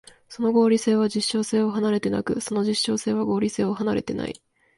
その合理性は実証性を離れてなく、その実証性は合理性を離れてない。